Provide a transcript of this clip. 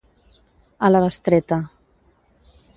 A la bestreta.